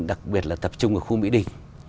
đặc biệt là tập trung ở khu mỹ đình